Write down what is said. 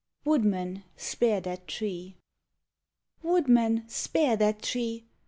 WOODMAN, SPAKE THAT TREE. Woouman, spare that tree!